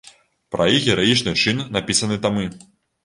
Пра іх гераічны чын напісаны тамы.